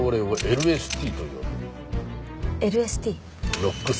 ＬＳＴ。